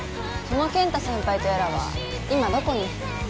その健太先輩とやらは今どこに？